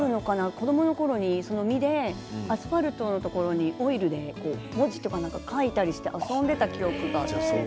子どものころによくアスファルトにオイルで文字とか書いて遊んでいた記憶がある。